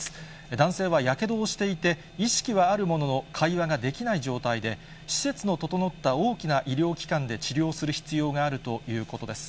男性はやけどをしていて、意識はあるものの、会話ができない状態で、施設の整った大きな医療機関で治療する必要があるということです。